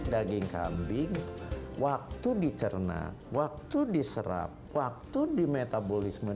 daging kambing waktu dicernak waktu diserap waktu dimetabolisir